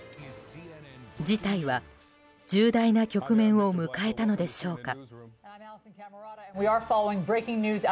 事態は重大な局面を迎えたのでしょうか。